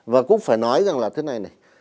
và cũng phải nói rằng là thế này này